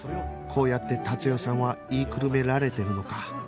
こうやって達代さんは言いくるめられてるのか